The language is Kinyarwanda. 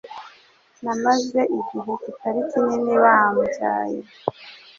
n'abamaze igihe kitari kinini babyaye.